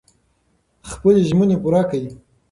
خپلې ژمنې پوره کړئ.